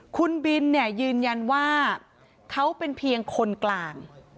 คุณบินเนี่ยยืนยันว่าเขาเป็นเพียงคนกลาง